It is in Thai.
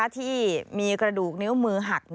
ที่มีกระดูกนิ้วมือหัก